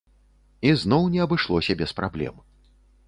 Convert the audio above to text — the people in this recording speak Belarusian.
І зноў не абышлося без праблем.